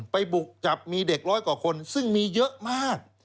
บุกจับมีเด็กร้อยกว่าคนซึ่งมีเยอะมาก